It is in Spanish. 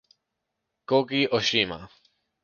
Koki Oshima